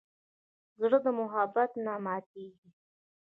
زړه د محبت نه ماتېږي.